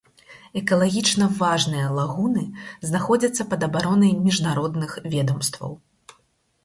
Экалагічна важныя лагуны знаходзяцца пад абаронай міжнародных ведамстваў.